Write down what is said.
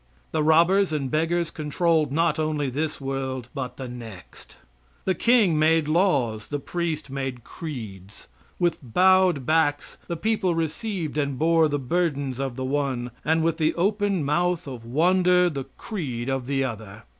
The robbers and beggars controlled not only this world, but the next. The king made laws, the priest made creeds; with bowed backs the people received and bore the burdens of the one, and with the open mouth of wonder the creed of the other.